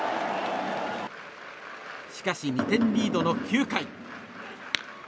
しかし、２点リードの９回。